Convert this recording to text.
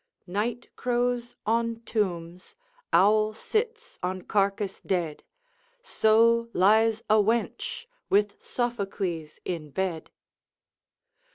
Night crows on tombs, owl sits on carcass dead, So lies a wench with Sophocles in bed.